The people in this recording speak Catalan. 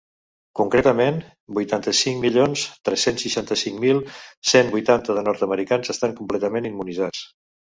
Concretament, vuitanta-cinc milions tres-cents seixanta-cinc mil cent vuitanta de nord-americans estan completament immunitzats.